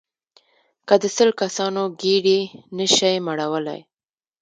که د سل کسانو ګېډې نه شئ مړولای.